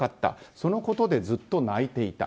そのことでずっと泣いていた。